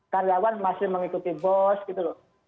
karyawan masih mengikuti bos gitu loh